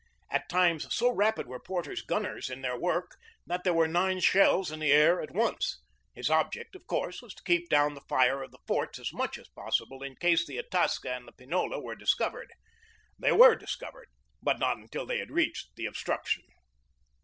At times so rapid were Porter's gunners in their work that there were nine shells in the air at once. His object, of course, was to keep down the fire of the forts as much as possible in case the Itasca and the Pinola were discovered. They were discovered, but not until they had reached the obstruction.